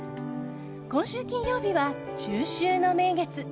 今週金曜日は中秋の名月。